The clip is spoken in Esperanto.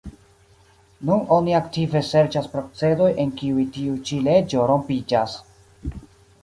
Nun oni aktive serĉas procedoj en kiuj tiu ĉi leĝo rompiĝas.